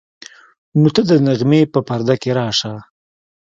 نو ته د نغمې په پرده کې راشه.